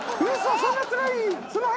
そんなつらい？